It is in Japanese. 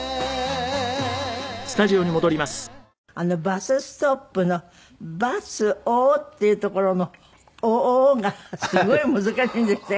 あの『バス・ストップ』の「バスを」っていうところの「を」がすごい難しいんですって？